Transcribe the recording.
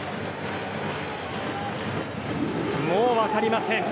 もう分かりません。